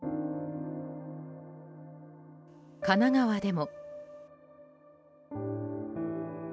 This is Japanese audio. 神奈川でも。